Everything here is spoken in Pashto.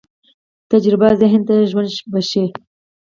تجربه ذهن ته ژوند بښي.